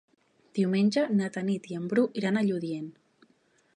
Diumenge na Tanit i en Bru iran a Lludient.